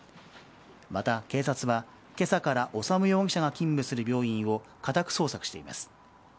また、警察は今朝から修容疑者が勤務する病院を家宅捜索しています。